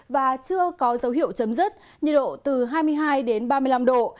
và chưa có dấu hiệu chấm dứt nhiệt độ từ hai mươi hai ba mươi năm độ